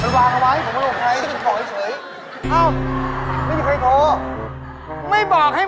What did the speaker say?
มันวางไว้ผมไม่รู้ใคร